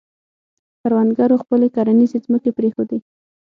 کروندګرو خپلې کرنیزې ځمکې پرېښودې.